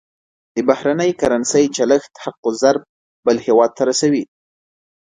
د بهرنۍ کرنسۍ چلښت حق الضرب بل هېواد ته رسوي.